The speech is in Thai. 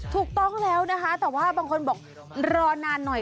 ถูกต้องแล้วนะคะแต่ว่าบางคนบอกรอนานหน่อย